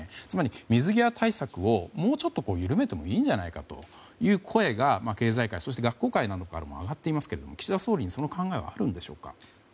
つまり、水際対策をもうちょっと緩めてもいいんじゃないかという声が経済界や学校界からも挙がっていますけれども岸田総理にその考えはあるんでしょうか。